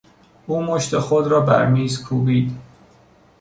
او مشت خود را بر میز کوبید.